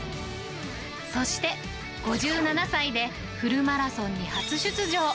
そして、５７歳でフルマラソンに初出場。